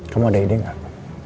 kamu ada ide gak